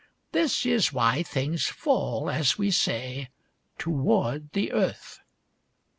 " This is why things fall, as we say, toward the earth.